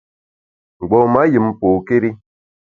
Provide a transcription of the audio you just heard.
Mgbom-a yùm pokéri.